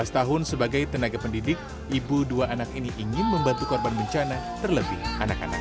lima belas tahun sebagai tenaga pendidik ibu dua anak ini ingin membantu korban bencana terlebih anak anak